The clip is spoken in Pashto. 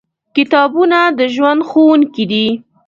کتابونه د ژوند ښوونکي دي.